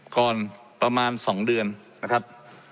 ก่อนประมาณ๒เดือนนะครับ